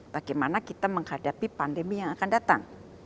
bagaimana kita menghadapi pandemi yang akan datang